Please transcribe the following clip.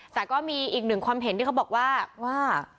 แต่ก็มีอีกหนึ่งความเห็นที่เขาบอกว่า